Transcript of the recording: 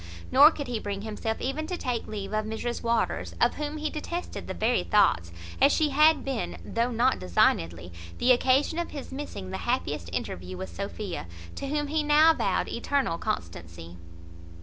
Nor could he bring himself even to take leave of Mrs Waters; of whom he detested the very thoughts, as she had been, though not designedly, the occasion of his missing the happiest interview with Sophia, to whom he now vowed eternal constancy.